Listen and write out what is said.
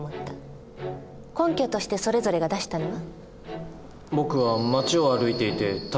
根拠としてそれぞれが出したのは？